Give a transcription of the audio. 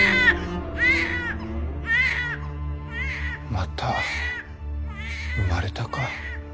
・また産まれたか。